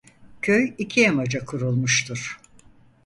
Köy iki yamaca kurulmuştur.